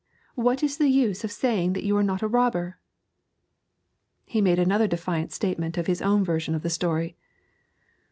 What is the use of saying that you are not a robber?' He made another defiant statement of his own version of the story.